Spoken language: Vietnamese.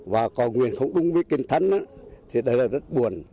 và có nguyện không đúng với kinh thánh thì đây là rất buồn